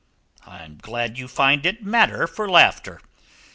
I'm glad you find it matter for laughter.